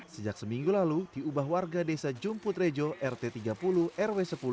sejak seminggu lalu diubah warga desa jumputrejo rt tiga puluh rw sepuluh